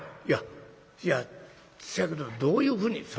「いやいやせやけどどういうふうに」。